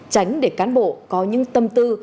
tránh để cán bộ có những tâm tư